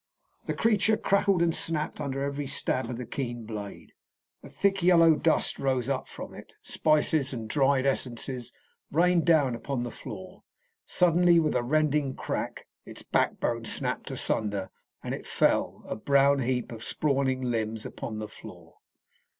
The creature crackled and snapped under every stab of the keen blade. A thick yellow dust rose up from it. Spices and dried essences rained down upon the floor. Suddenly, with a rending crack, its backbone snapped asunder, and it fell, a brown heap of sprawling limbs, upon the floor.